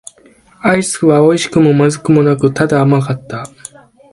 アイスは美味しくも不味くもなく、ただ甘かった。